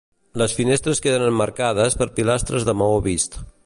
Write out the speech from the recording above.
Les finestres queden emmarcades per pilastres de maó vist.